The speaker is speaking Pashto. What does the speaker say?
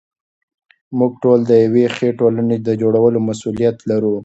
موږ ټول د یوې ښې ټولنې د جوړولو مسوولیت لرو.